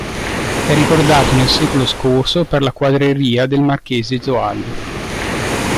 È ricordato nel secolo scorso per la quadreria del marchese Zoagli.